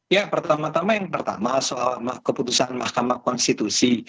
ya pertama tama yang pertama soal keputusan mahkamah konstitusi